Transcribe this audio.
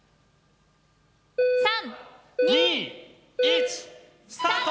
３・２・１スタート！